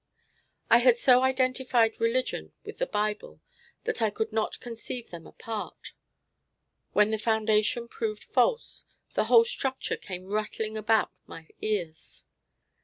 I had so identified religion with the Bible that I could not conceive them apart. When the foundation proved false, the whole structure came rattling about my ears.